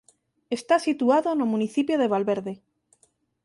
Está situado no municipio de Valverde.